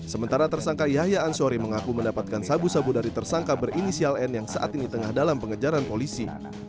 sementara tersangka yahya ansori mengaku mendapatkan sabu sabu dari tersangka berinisial n yang saat ini tengah dalam pengejaran polisi